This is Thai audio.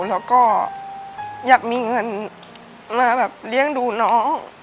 แล้วก็อยากมีเงินมาแบบเลี้ยงดูน้อง